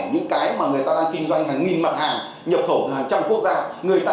những cái mà người ta đang kinh doanh hàng nghìn mặt hàng nhập khẩu hàng trăm quốc gia